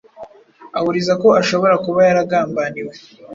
ahuriza ko ashobora kuba yaragambaniwe